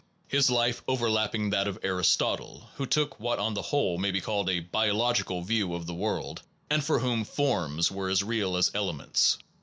His life overlapped that of Aristotle, who took what on the whole may be called a biological view of the world, and for whom forms were as real as elements.